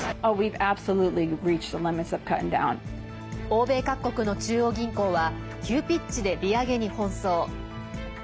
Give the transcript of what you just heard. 欧米各国の中央銀行は急ピッチで利上げに奔走。